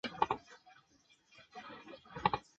绍尔基卡波尔瑙。